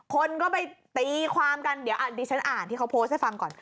คนก็ไปตีความกันเดี๋ยวอ่านดิฉันอ่านที่เขาโพสต์ให้ฟังก่อน